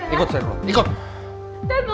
ikut saya keluar